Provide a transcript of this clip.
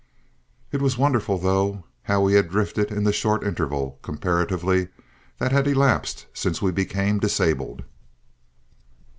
It was wonderful, though, how we had drifted in the short interval, comparatively, that had elapsed since we became disabled!